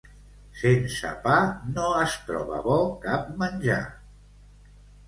Sense pa no es troba bo cap menjar.